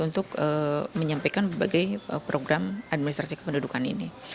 untuk menyampaikan berbagai program administrasi kependudukan ini